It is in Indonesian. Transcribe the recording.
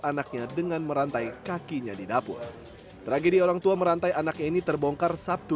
anaknya dengan merantai kakinya di dapur tragedi orang tua merantai anak ini terbongkar sabtu